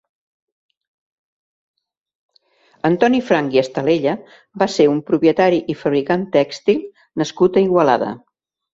Antoni Franch i Estalella va ser un propietari i fabricant tèxtil nascut a Igualada.